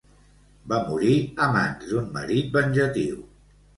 Va morir a mans d'un marit venjatiu.